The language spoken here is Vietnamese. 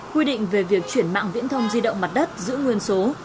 quy định về việc chuyển mạng viễn thông di động mặt đất giữ nguyên số